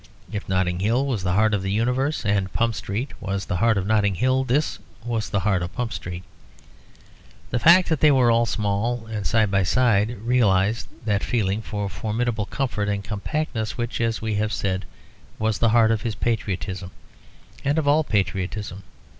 If Notting Hill was the heart of the universe, and Pump Street was the heart of Notting Hill, this was the heart of Pump Street. The fact that they were all small and side by side realised that feeling for a formidable comfort and compactness which, as we have said, was the heart of his patriotism, and of all patriotism.